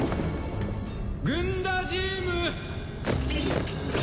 グンダジーム！